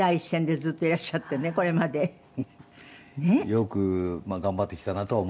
よく頑張ってきたなとは思います